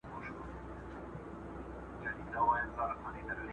څوک به ولي دښمني کړي د دوستانو .